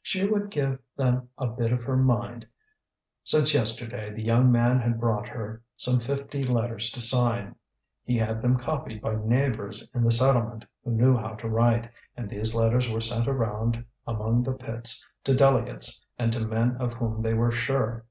She would give them a bit of her mind. Since yesterday the young man had brought her some fifty letters to sign; he had them copied by neighbours in the settlement who knew how to write, and these letters were sent around among the pits to delegates and to men of whom they were sure.